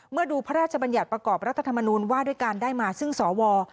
ดูพระราชบัญญัติประกอบรัฐธรรมนูญว่าด้วยการได้มาซึ่งสว